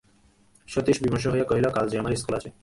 সতীশ বিমর্ষ হইয়া কহিল, কাল যে আমার ইস্কুল আছে।